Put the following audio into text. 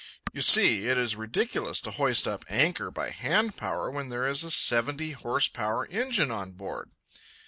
You see, it is ridiculous to hoist up anchor by hand power when there is a seventy horse power engine on board.